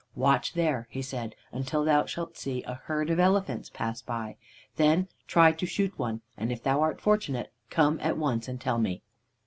"'Watch there,' he said, 'until thou shalt see a herd of elephants pass by. Then try to shoot one, and if thou art fortunate, come at once and tell me.'